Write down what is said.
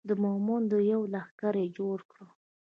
د مومندو یو لښکر یې جوړ کړ.